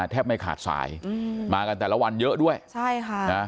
แทบไม่ขาดสายอืมมากันแต่ละวันเยอะด้วยใช่ค่ะนะ